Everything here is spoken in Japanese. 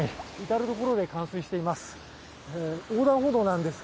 至るところで冠水しています。